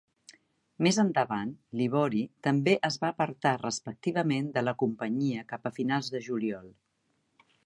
Més endavant, l"Ivory també es va apartar respectivament de la companyia cap a finals de juliol.